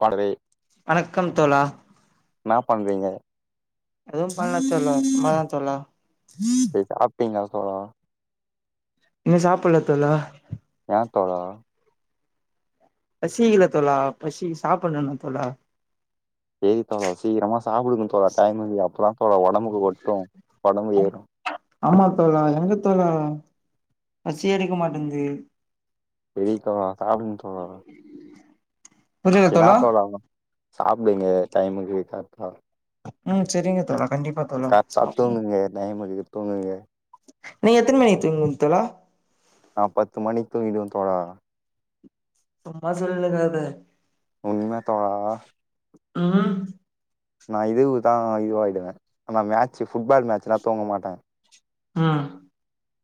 பாடுவே வணக்கம் தோழா இன்னா பண்றீங்க எதும் பண்ல தோழா சும்மா தா தோழா சாப்டிங்ளா தோழா இன்னு சாப்புல்ல தோழா ஏன் தோழா பசி இல்ல தோழா பசி சாப்புன்னுணு தோழா சேரி தோழா சீக்கரமா சாப்டுங்க தோழா டைமுக்கு அப்ப தா தோழா ஒடம்புக்கு ஒட்டு ஒடம்பு ஏறு ஆமா தோழா எங்க தோழா பசியே எடுக்க மாட்டன்ந்து செரி தோழா சாப்டுங்க தோழா இன்னா தோழா சாப்டுங்க டைமுக்கு கர்ட்டா ம் செரிங்க தோழா கண்டிப்பா தோழா கர்ட்டா சாப்புட்றே தூங்குங்க டைமுக்கு தூங்குங்க நீங் எத்தன் மணிக் தூங்வீங் தோழா நா பத்து மணிக் தூங்கிடுவ தோழா சும்மா சொல்னிக்காத உண்ம்யா தோழா ம் நா இதுவுகு தா இது ஆயிடுவ ஆனா மேட்சு ஃபுட்பால் மேட்ச்லா தூங்க மாட்ட ம்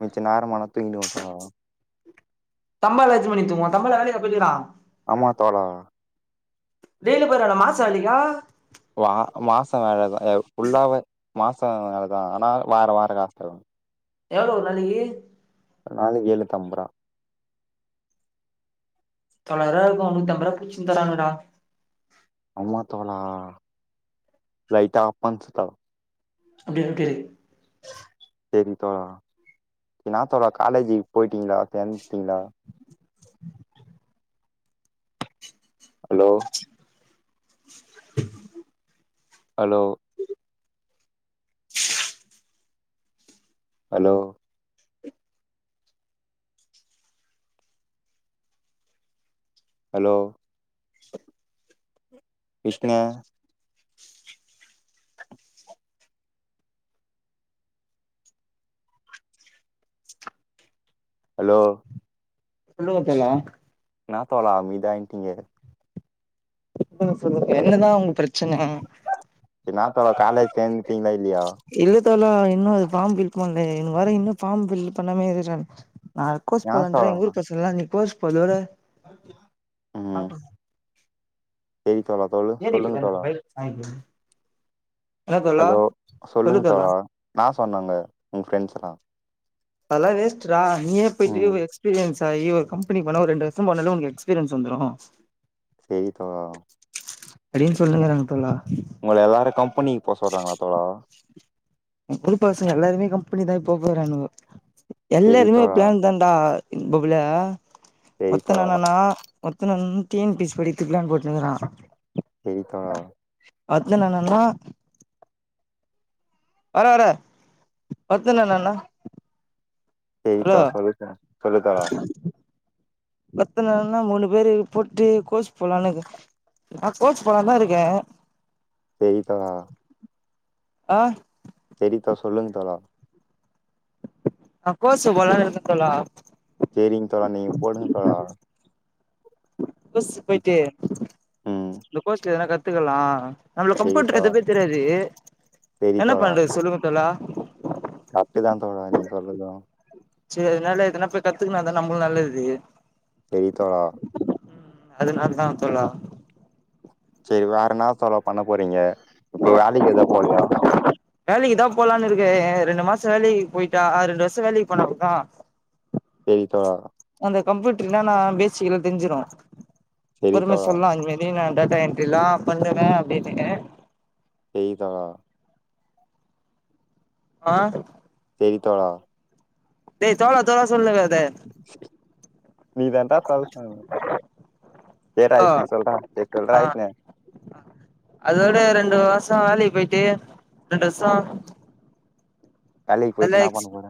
மிச்ச நேரமான தூங்கிடுவே தோழா தம்பாலஜி எத்தன் மணிக் தூங்வா தம்பா வேற வேலைக்கா போய்டிக்குறா ஆமா தோழா டெய்லியு போய்ற்றாரா மாசா வேலிக்கா வா மாசோ வேலதா ல் ஃபுல்லாவே மாசோ வேலதா ஆனா வார வார காஸ் தருவாங்க எவ்ளோ ஒரு நாளிக்கி ஒரு நாளைக்கி எழ்னூத்தம்ப்ர்வா தொல்லாய்ருவா இருக்கு நூத்தம்பர்வா புச்சினு தாராங்க டா அம்மா தோழா லைட்டா அப்பன்சுதா அப்டியா இருக்குது செரி தோழா என்னா தோழா காலேஜி போய்ட்டீங்ளா சேந்துட்டீங்ளா ஹலோ ஹலோ ஹலோ ஹலோ விஷ்ணெ ஹலோ சொல்லுங்கோ தல இன்னா தோழா அமைத்யா இன்ட்டீங்க சொல்லுங்க சொல்லுங் என்னதா உங்க ப்ரெச்சன இன்னா தோழா காலேஜ் சேந்துடீங்ளா இல்லியா இல்ல தோழா இன்னு அது ஃபாம் ஃபில் பண்லே இவ்னுங் வேற இன்னு ஃபாம் ஃபில் பண்ணாமே இருறானுங் நா கோஸ் என்னா போலான்றே தோழா எங்க ஊரு பசங்கெல்லா நீ கோஸ் போரதோட [unintelligible] செரி தோழா சொல் ஏன் டி இப்டி உக்காந்துருக்க பைக் சாவி எங்க ஹலோ சொல்லுங்க தோழா இன்னா சொன்னங்க உங்க ஃப்ரெண்ஸெல்லா அதலா வேஸ்ட்ரா நீயே ம் போயிட்டு எக்ஸ்பீரியன்ஸ் ஆயி ஒரு கம்பெனிக் போண்ணா ஒரு ரெண்டு வர்ஷோ போனாலே உனுக்கு எக்ஸ்பீரியன்ஸு வந்துரு சேரி தோழா அப்டின் சொல்லுக்கிறாங்க தோழா உங்கள எல்லாரு கம்பெனிக்கு போ சொல்றாங்ளா தோழா எங்கு ஊரு பசங்க எல்லாருமே கம்பெனி தா போப் போறானுங்கோ செரி எல்லாருமே தோழா ப்ளான் தா தா பபுலே செரி ஒத்த தோழா இன்னானா ஒத்த இன்னான் டி என் பி சி படித்துக் ப்ளான் போட்னுக்கிறா நீதா ஒத்த இன்னானான்வா வர வரே பத்துனா என்னண்ணா எய்த்தா சொல்லி தர சொல்லி தர ஒர்த்த இன்னாடானா மூணு பேரு போட்டு கோசு போலானுகிற நா கோச் போலான்தா இருக்கே செரி தோழா ஆ செரித்தா சொல்லுங்க தோழா நா கோச்சு போலான்னு இருக்கே தோழா சேரிங்க தோழா நீங்க போடுங்க தோழா கோஸ் போயிட்டு ம் இந்த கோர்ஸ் ல என்ன கத்துக்கலா நம்ளுக்கு செரி கம்ப்யூட்டர் தோழா எதுமே தெரியாது செரி என்ன பண்றது சொல்லுங்க தோழா கரட்டுதா தோழா நீங்க சொல்றது செரி அதனால எதனா போயி கத்துக்கனா தான நம்மளு நல்லது செரி தோழா ம் அதுனாலதா தோழா செரி வேறன்னா தோழா பண்ண போறீங்க இப்ப வேலைக்கு எதா போலையா வேலைக்கு தா போலான்னு இருக்கே ரெண்டு மாச வேலைக்கு போயிட்டா ஆ ரெண்டு வருஷோ வேலைக்கு போனாக்கூட செரி தோழா அந்த கம்ப்யூட்டர் என்னான்னா பேசிக்லா தெரிஞ்சிரு செரி பொறுமையா தோழா சொல்லா இனிமேல் அப்படின்னா நட என்ட்ரிலா பண்ணுவே அப்டின்னு செரி தோழா ஆ செரி தோழா டோய் தோழா தோழா சொல்னுக்காத நீ தாண்டா [unintelligible] சேடா ஹலோ இஷ்ணே சொல்றே சரி ஆ சொல்றாஷ்ணே அதோட ரெண்டு வசோ வேலக்கு போயிட்டு ரெண்டு வருசோ வேலைக்கு போயிட்டு என்னா டல்லாய்ச்சு பண்ண போற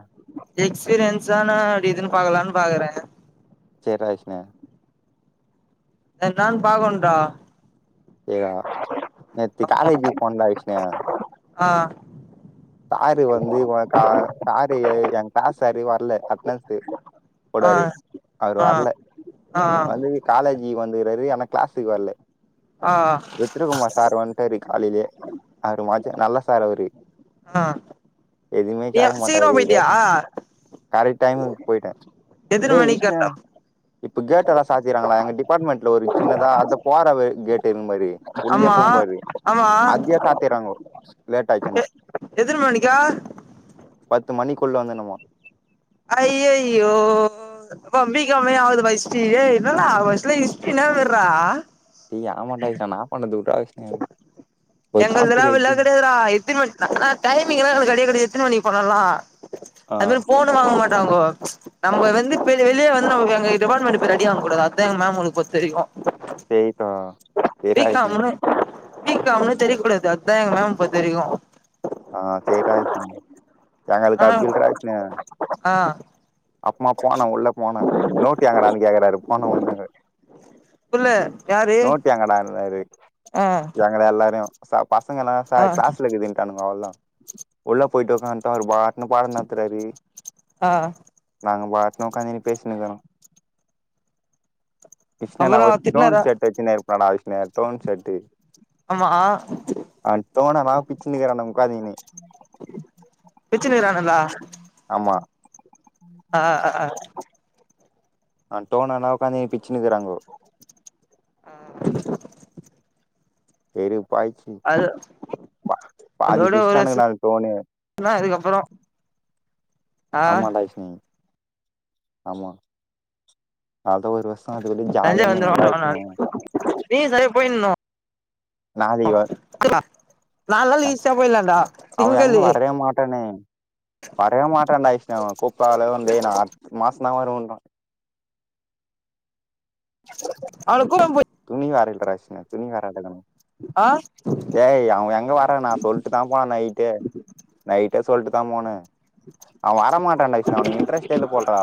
எக்ஸ்பீரியன்ஸான டி இதுன்னு பாக்கலான்னு பாக்கறே செரி ராஸ்ணயா என்னானு பாக்கோனு டா டியா நேத்து ஆமா காலேஜ்க்கு போனேன்டா விஷ்ணு ஆ சாரு வந்து உகா சாரு ஏ கிளாஸ் சாரு வரல அட்னன்ஸ்க்கு ஆ போடாரு அவரு ஆ வரல ஆ வந்து காலேஜிக்கு வந்துக்குறாரு ஆனா கிளாஸுக்கு வரல ஆ ருத்ரகுமார் சார் வந்து சரி காலையிலே அவரு மா நல்ல சாரு அவரு ஆ எதுவுமே நீ சீகிரமா போய்டியா கரைட் டைம்கு போயிட்டே எத்தன மணி கட்டா இப்போ கேட் எல்லா சாத்திறாங்களா எங்க டிபார்ட்மெண்ட்ல ஒரு சின்னதா அந்த போற கேட் இருக்கு மாரி உள்ளேயே ஆமா போகும்பாரு ஆமா அங்யே சாத்திறாங்கோ லேட் ஆயிச்சுன்னா எதின மாணிக்கா பத்து மணிக்குள்ள வந்துணும்மா ஐய்யய்யோ பம்பி க அம்மையாவது வஷ்டி ஏய் என்னடா வசுல இஷ்டி நாவறடா யா ஆமாண்டா இதுல நா பண்ணுது எங்கள்துலா அப்பில்லா எப்படி கடையாதுடா எத்தின் மன் ஆனா டைமிங் எல்லா எங்க கடையவே கடையாது எத்தன மணி போன்னாலு அது மாரி போன்னு வாங்க மாட்டோங்கோ நம்ம வந்து வெளியே வந்து நமக்கு எங்க டிபார்ட்மெண்ட் ரெடி ஆக கூடாது அதா எங்க மேம்ங்களுக் பொறுத்த வரைக்கு சயத்த பி பேறாயசனை காம்னு பி காம் னு தெரியக்க கூடாது அதுதா எங்க மேம் இப்ப தெரியு ஆஹ் சரிடா எங்களுக்கு கில ச்சின [unintelligible] ஆ அப்மாபா நா உள்ள போனே நோட்டி எங்கடானு கேக்கராரு போன வுன்னியே உள்ள யாரு எங்கடான்னாரு ஆ எங்கள எல்லாரையு சா பசங்க எல்லா ஆ சார் கிளாஸ்ல இருக்குதுனு ட்டானுங்கவல்லா உள்ள போயிட்டு உக்கான்டுடா அவரு பாட்டுனு பாடோ நடத்துறாரு ஆஹ் நாங்க பாட்டுனு உக்காந்தினி பேசினுக்கிறோ கிருஷ்ண நா அப்பறோ ஒரு டோன் திட்னாரா செட் வச்சுனாரு படா விஷ்ணு டோன் செட்டு ஆமா ஆ அந்ட்டோனா நா பிச்சுனுக்கேறே நா முக்காந்திக்னு பிச்சுனுகிரான்ல்லா ஆமா ஆஹ் ஆஹ ஆ டோன்னா வுக்காந்தி பிச்சுக்குறாங்கோ ஆ வெறுப்பாய்ச்சு அது அதோட பிச்ட்டானுங்க ஒருசு நாலு டோனு லா அதுக்கப்பறோ ஆம்மான்டா விஷ்ணு ஆமா அதா ஒரு வருஷோ அதுக்கூடயே ஜாலிய இருந்தே நல்லா இருக்குமோ அப்டியே செரி போயினு [inaudible] ஓ வ அ நால் நாள் ஈஸியா போய்லான்டா அவ எங்க திங்களு வரவே மாட்டானே வரவே மாட்டாண்டா இஷ்ணு கூப்டாளே வந்து நா அடுத் மாஸ் தா வருவேன்ரா அவன கூப்டாம போய் துணி வேறல்லடா விஷ்ணு துணி வேற யடுக்கணு ஆஹ் டேய் அவே எங்க வர்றேனா நா சொல்ட்டு தா போனே நைட்டே நைட்டே சொல்ட்டு தா போனே அவ வர மாட்டன்டா விஷ்ணு அவனுக்கு இன்ட்ரஸ்ட்டே இல்ல போல்றா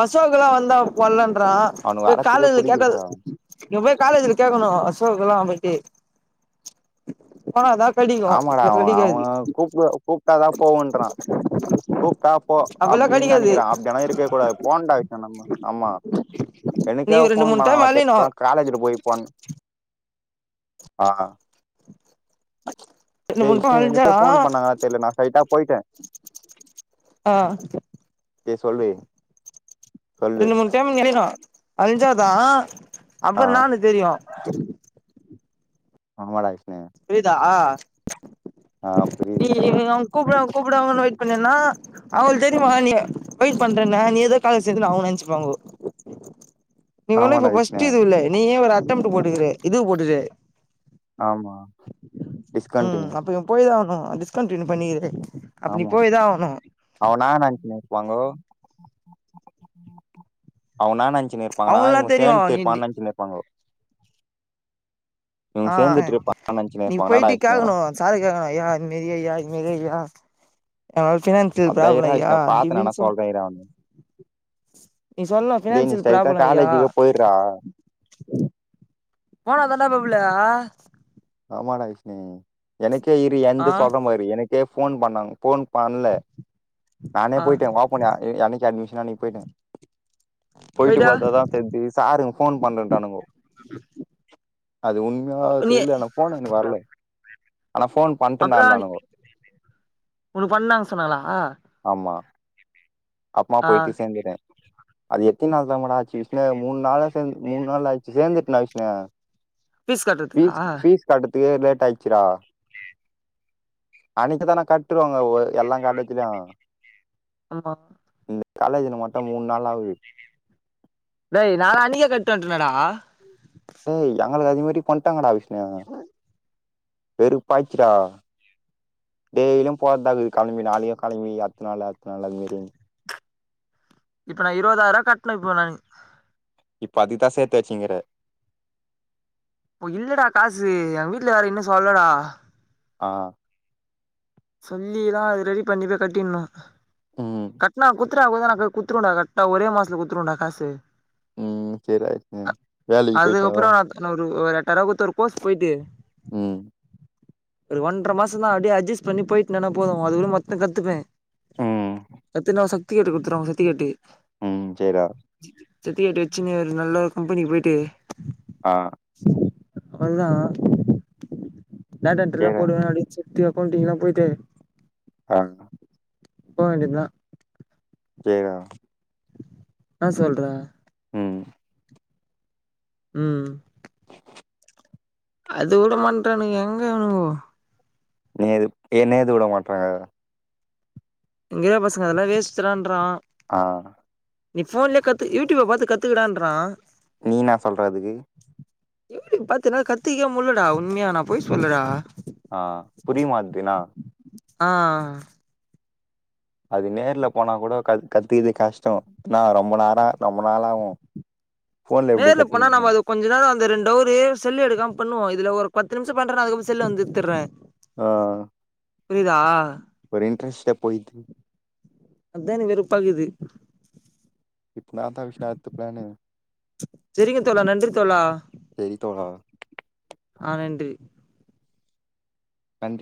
அசோக் எல்லா வந்தா போலன்றா அவனுக்கு வரத்துக்கே காலேல கேட்டது புடிக்கலடா இங்க போய் காலேஜ்ல கேட்கணு அசோக் எல்லா போயிட்டு ஆஹ் என்னா கடி ஆமாடா அவெ அவெ கூப்புட கூப்ட்டாதா போவேன்றா கூப்ட்டா போ அப்பல்லா அப்டின் கெடைக்காது நெனக்கிறா அப்டிலா இருக்கக் கூடாது போண்டா ஆமா நீ இத்தனக்கா ஒரு ரெண்டு ஃபோன் மூணு டைம் பண்ணாங்ளா அலையணு தெரில காலேஜ்ல போய் ஃபோனு ஆஹா ரெண்டு டே மூணு டைம் விஷ்ணு அலஞ்சா எனக்கே ஃபோன் பண்ணாங்களா தெர்ல நா ஸ்டைட்டா போயிட்டே ஆ ஏ சொல்லு சொல்லு ரெண்டு மூணு டைம் தெரினு அலஞ்சாதா ஆ அப்புறோ நானு தெரியு ஆமாடா விஷ்ணு புரிதா ஆ நீ புரியுது அவெ கூப்டுவாங்க கூப்டுவாங்கனு வெயிட் பண்ணீனா அவுங்களுக்கு தெரியுமா நீ வெயிட் பண்றனு நீ ஏதோ காலேஜ் சேந்துனு அவுங்க நெனச்சுப்பாங்கோ நீ ஒண்ணு ஆமாடா இப்ப விஷ்ணு ஃபஸ்ட்டு இது இல்ல நீயே ஒரு அட்டெம்ப்ட் போட்டுக்றே இது போட்டுக்ற ஆமா ம் டிஸ்கண்டினியூ அப்ப இவே போய் தா ஆவணு டிஸ்கண்டினியூ பண்ணிரு அப்ப நீ ஆமா போய் தா ஆவணு அவனா நெனச்சுனு இருப்பாங்கோ அவனா நெனச்சுனு இருப் பாங்கா நா அவங்கல்லா இவுங்க தெரியு சேன்ட்டு நீ இருப்பாங்னு நெனச்சுனு இருப்பாங்கோ இவங்க ஆஹ் னே சேந்துட்டு இருப்பான்னு நெனச்சுன்னு நீ இருப்பாங்க என்னடா போயிட்டு விஷ்ணு கேக்கணு சாரு இருக்காங்களா ஐயா இதுமேரி ஐயா இதுமேரி ஐயா ஆஹ் ஃப்னான் அதா இர்ரா விஷ்ணு பாத்து நா வேனா சொல்றே இரா நீ சொல்லணு டே நீ ஃபினான்சியல் ஸ்ரைட்டா ப்ராப்ளம் ஐயா காலேஜுக்கே போயிட்றா போனா தான்டா மாப்புல ஆமாடா விஷ்ணு எனக்கே இரு ஆ எந்த சொல்ற மாரி எனக்கு ஃபோன் பண்ணாங்க ஃபோன் பண்ல நானே ஆ போயிட்டே வா போனே அன்னக்கி அட்மிஷன் அன்னக்கி போயிட்டே போயிட்டு போய்டா பாத்தாதா சேரின்ட்டு சாரு ஃபோன் பண்றன்ட்டானுங்கோ அது உண்மையா நீ தெரில என ஆனா ஃபோன் அப்ரோ பண்ட்டேன்டான்னானுங்கோ உனக்கு பண்ணாங் சொன்னாங்ளா ஆமா அப்மா ஆ போயிட்டு சேந்திட்டே அது எத்தி நாள் தாமோடாச்சு விஷ்ணு மூணு நாளும் சேந்து மூணு நாள் ஆச்சு சேந்துட்டா விஷ்ணு ஃபீஸ் ஃபீஸ் கட்டதுக்கே லேட் ஆயிச்சுடா அன்னக்கி தானே கட்டுவாங்க ஒ எல்லா காலேஜ்லயு ஆமா இந்த காலேஜில மட்டு மூணு நாள் ஆவுது டேய் நா அன்னைக்கே கட்டிட்டுவன்ட்டேனடா டேய் எங்களுக்கு அதி மாரி பண்ட்டாங்கடா விஷ்ணு வெறுப்பாய்ச்சுடா டெய்லியு போறதா இருக்குது கெளம்பி நாளைக்கு கெளம்பி அத்து நாளு அத்து நாளு அது மாரி இப்ப நா இருவதாயிரவா கட்னே இப்ப நா இப்ப அதுக்தா சேத்து வச்சிங்கிற இப்போ இல்லடா காசு ஏன் வீட்டு்ல வேற இன்னும் சொல்லடா ஆ சொல்லிதான் அது ரெடி பண்ணி போய் கட்டினோ ம் கட்டினா‌‌ குத் குத்துட்டா கூட தா நா போய் குத்துருவண்டா கர்ட்டா ஒரே மாசத்துல குத்துருவண்டாக்காசு ம் சேரிடா விஸ்ணு வேலைக்கி போயிட்டாவா அதுக்கப்புறோ நா ஒரு எட்டாயிரோ குடுத்து ஒரு கோர்ஸ் போயிட்டு ம் ஒரு ஒன்ற மாசோ தா அப்டியே அட்ஜஸ் பண்ணி போயிட்டு நின போது அதுக் கூட மொத்தோ கத்துப்பே ம் கத்துனா சர்டிபிகேட் குடுத்துருவாங்க சர்ட்டிகேட்டு ம் சேர் ரா சர்ட்டிபிக்கேட்டு வச்சுன்னு ஒரு நல்ல கும்பெனிக்கு போயிட்டு ஆ பண்லா நாடன்டர்ல்லா சேரிடா போடுவே அப்டின்ச்சு த்ரி அக்கவுண்டிங்கல்லா போய்ட்டு ஆ போ வேண்டியதா சேர்டா என்னா சொல்ற ம் ம் அது கூட பண்ட்டானுங்கோ எங்க இவ்னுங்கோ நீ எது என்ன எது விட மாட்ரா இங்க இருக்குற பசங்க அதெல்லா வேஸ்ட்ரான்றா ஆ நீ ஃபோன்லே கத்து யூடியூப பாத்து கத்துக்கடான்றா நீ இன்னா சொல்ற அதுக்கு எப்டி பாத்தீன்னா கத்திக்க முட்லடா உண்மையா நான் பொய் சொல்லடா ஆ புரியுமா‌ட்துனா ஆ அது நேர்ல போனா கூட க கத்திது கஷ்டோ‌ நா ரொம்ப நாள் ஆவு ஃபோன்ல எப்டி நேர்ல கத்துக்க போனா முடியு நம்ம அது கொஞ்ச நாளா அந்த ரெண்டவரு செல்லு எடுக்காம பண்ணுவோ இதுல ஒரு பத்து நிமிஷம் பண்றேனா அதுக்கப்றோ செல்லு வந்து எத்தறே ஆ புரியுதா ஒரு இன்ட்ரெஸ்ட்டே போய்த்து அதா எனக்கு வெறுப்பாக்குது இப்ப நாந்தா விஷ்ணா அடுத்த பிளானு செரிங்க தோழா நன்றி தோழா செரி தோழா ஆ நன்றி நன்றி